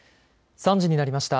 ３時になりました。